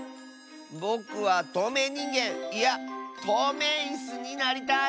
ぼくはとうめいにんげんいやとうめいイスになりたい！